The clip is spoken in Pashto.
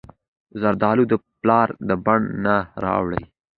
زردالو د پلار د بڼ نه راوړي.